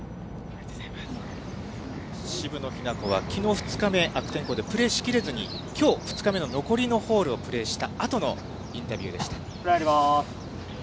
渋野日向子は、きのう２日目、悪天候でプレーしきれずに、きょう、２日目の残りのホールをプレーしたあとのインタビューでした。